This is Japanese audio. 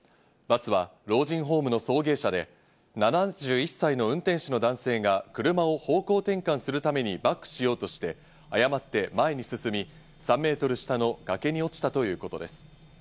バスは老人ホームの送迎車で、７１歳の運転手の男性が車を方向転換するためにバックしようとして誤って前に進み、３メートル下の崖に落ちたということです。